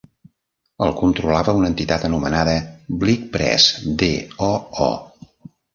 El controlava una entitat anomenada Blic Press d.o.o.